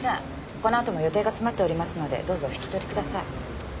このあとも予定が詰まっておりますのでどうぞお引き取りください。